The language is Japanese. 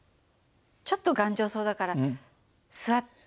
ちょっと頑丈そうだから座ってみようかな。